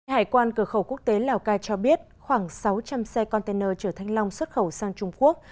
hải quan cửa khẩu quốc tế lào cai cho biết khoảng sáu trăm linh xe container chở thanh long xuất khẩu sang trung quốc